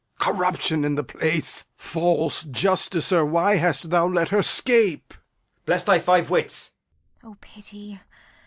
Corruption in the place! False justicer, why hast thou let her scape? Edg. Bless thy five wits! Kent. O pity!